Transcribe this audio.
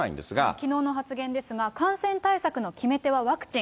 きのうの発言ですが、感染対策の決め手はワクチン。